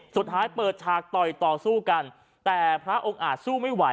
สุดท้ายเปิดฉากต่อยต่อสู้กันแต่พระองค์อาจสู้ไม่ไหว